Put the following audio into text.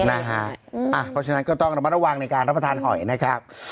เพราะฉะนั้นก็ต้องระมัดระวังในการรับประทานหอยนะครับ